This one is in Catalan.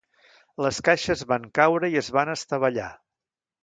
Les caixes van caure i es van estavellar.